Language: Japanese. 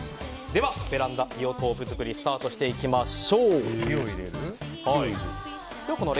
では、ベランダビオトープ作りスタートしていきましょう。